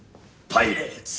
パパイレーツ？